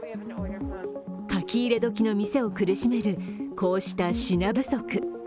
書き入れ時の店を苦しめるこうした品不足。